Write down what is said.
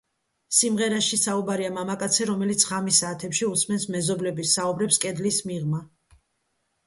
სიმღერაში საუბარია მამაკაცზე, რომელიც ღამის საათებში უსმენს მეზობლების საუბრებს კედლის მიღმა.